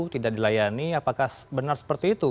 tidak dilayani apakah benar seperti itu